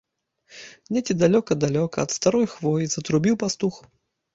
Недзе далёка-далёка, ад старой хвоі, затрубіў пастух.